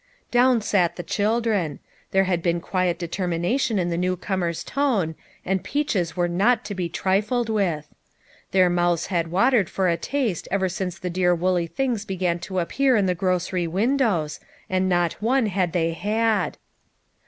Down sat the children. There had been quiet determination in this new comer's tone, and peaches were not to be trifled with. Their mouths had watered for a taste ever since the dear woolly things began to appear in the gro cery windows, and not one had they had